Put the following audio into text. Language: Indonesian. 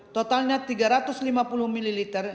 totalnya tiga ratus lima puluh ml